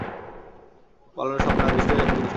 পালরা স্বপ্নে আদিষ্ট হয়ে মন্দির প্রতিষ্ঠা করেন।